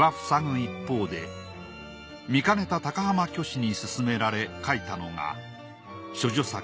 一方で見かねた高浜虚子に勧められ書いたのが処女作